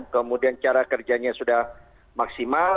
kemudian cara kerjanya sudah maksimal